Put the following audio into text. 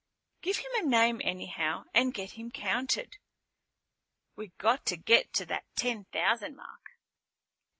"Give him a name anyhow and get him counted. We got to get to that ten thousand mark."